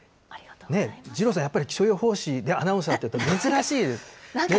二郎さん、やっぱり気象予報士でアナウンサーで珍しいですよね。